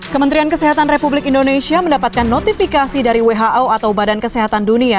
kementerian kesehatan republik indonesia mendapatkan notifikasi dari who atau badan kesehatan dunia